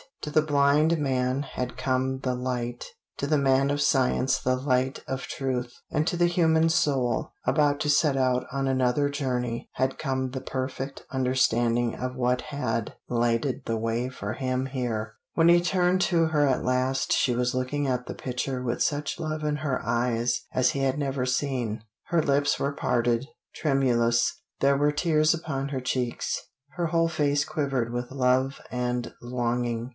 To the blind man had come the light; to the man of science the light of truth, and to the human soul, about to set out on another journey, had come the perfect understanding of what had lighted the way for him here. When he turned to her at last she was looking at the picture with such love in her eyes as he had never seen. Her lips were parted tremulous; there were tears upon her cheeks; her whole face quivered with love and longing.